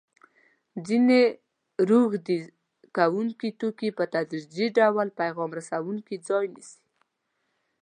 ځیني روږدي کوونکي توکي په تدریجي ډول پیغام رسوونکو ځای نیسي.